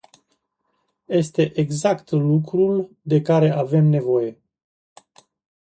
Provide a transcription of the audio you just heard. Este exact lucrul de care avem nevoie.